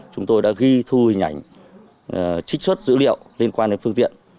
chúng tôi đã ghi thu hình ảnh trích xuất dữ liệu liên quan đến phương tiện